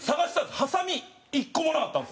ハサミ１個もなかったんですよ。